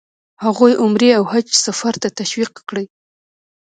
هغوی عمرې او حج سفر ته تشویق کړي.